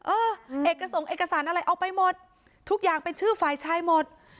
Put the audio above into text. เออเอกสงคเอกสารอะไรเอาไปหมดทุกอย่างเป็นชื่อฝ่ายชายหมด